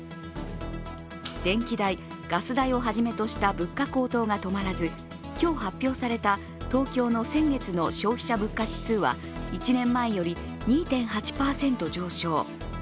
電気代、ガス代をはじめとした物価高騰が止まらず今日発表された東京の先月の消費者物価指数は１年前より２．８％上昇。